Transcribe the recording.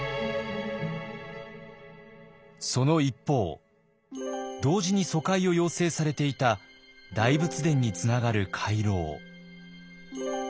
その一方同時に疎開を要請されていた大仏殿につながる廻廊。